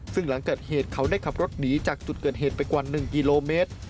ซึ่งหลังเกิดเหตุเขาได้ขับรถหนีจากจุดเกิดเหตุไปกว่า๑กิโลเมตร